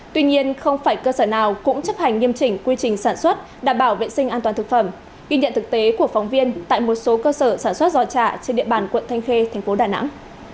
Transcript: tuy nhiên không phải cơ sở nào cũng chấp hành nghiêm chỉnh quy trình sản xuất đảm bảo vệ sinh an toàn thực phẩm ghi nhận thực tế của phóng viên tại một số cơ sở sản xuất giò chả trên địa bàn quận thanh khê thành phố đà nẵng